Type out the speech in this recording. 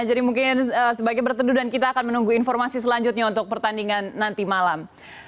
jadi mungkin sebaiknya bertendu dan kita akan menunggu informasi selanjutnya untuk pertandingan nanti malam